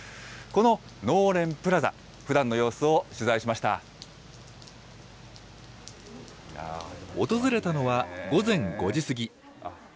こののうれんプラザ、ふだんの様訪れたのは午前５時過ぎ。